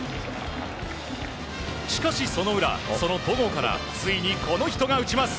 しかし、その裏、その戸郷からついにこの人が打ちます。